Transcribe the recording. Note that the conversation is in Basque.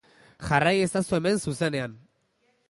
Jarrai ezazu hemen zuzenean.